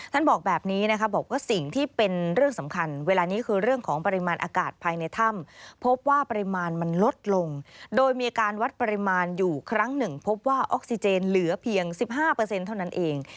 บอกแบบนี้นะคะบอกว่าสิ่งที่เป็นเรื่องสำคัญเวลานี้คือเรื่องของปริมาณอากาศภายในถ้ำพบว่าปริมาณมันลดลงโดยมีอาการวัดปริมาณอยู่ครั้งหนึ่งพบว่าออกซิเจนเหลือเพียง๑๕เท่านั้นเอง